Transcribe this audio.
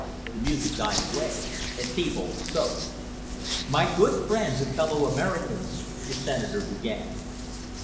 The music died away and Thebold spoke. "My good friends and fellow Americans," the Senator began.